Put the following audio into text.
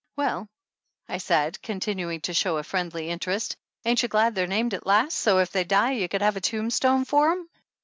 "Well," I said, continuing to show a friendly interest, "ain't you glad they're named at last, so's if they die you could have a tombstone for them?"